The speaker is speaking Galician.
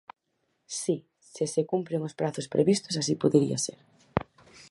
Si, se se cumpren os prazos previstos así podería ser.